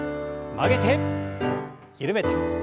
曲げて緩めて。